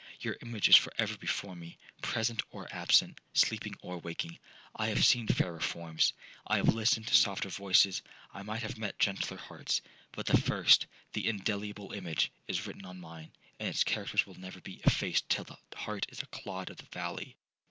Your image is for ever before me, present or absent, sleeping or waking. I have seen fairer forms,—I have listened to softer voices,—I might have met gentler hearts,—but the first, the indelible image, is written on mine, and its characters will never be effaced till that heart is a clod of the valley.